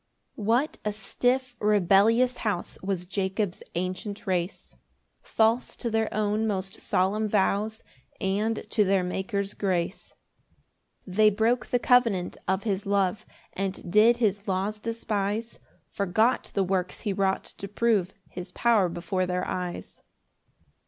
1 What a stiff rebellious house Was Jacob's ancient race! False to their own most solemn vows, And to their Maker's grace. 2 They broke the covenant of his love, And did his laws despise, Forgot the works he wrought to prove His power before their eyes.